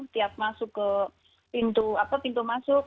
tiap masuk ke pintu apa pintu masuk